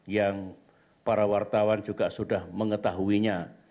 yang para wartawan juga sudah mengetahuinya